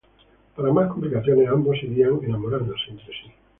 Para más complicaciones, ambos irán enamorándose entre sí.